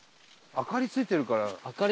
明かりついてるから。